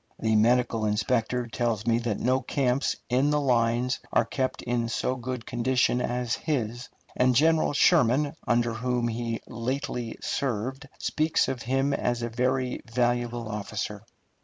The medical inspector tells me that no camps in the lines are kept in so good condition as his; and General Sherman, under whom he lately served, speaks of him as a very valuable officer.